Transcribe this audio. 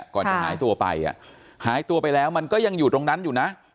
ก่อนจะหายตัวไปหายตัวไปแล้วมันก็ยังอยู่ตรงนั้นอยู่นะ